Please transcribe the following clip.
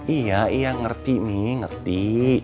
iya iya ngerti nih ngerti